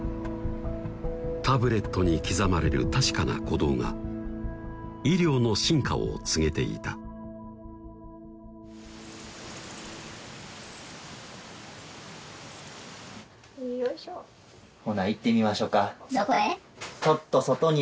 タブレットに刻まれる確かな鼓動が医療の進化を告げていたほな行ってみましょかどこへ？